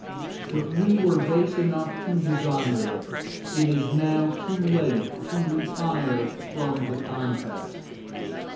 If we were base enough to desire it, it is now too late to retire from the contest.